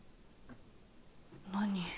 何？